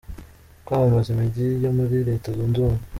Kwamamaza Imijyi yo muri Leta Zunze Ubumwe.